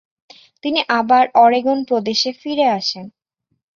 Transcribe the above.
তিনি আবার অরেগন প্রদেশে ফিরে আসেন।